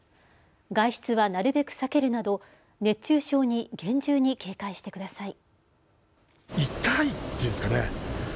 外出はなるべく避けるなど熱中症に厳重に警戒してください。